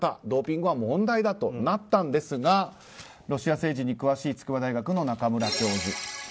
ドーピングは問題だとなったんですがロシア政治に詳しい筑波大学の中村教授。